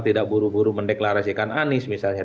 tidak buru buru mendeklarasikan anies misalnya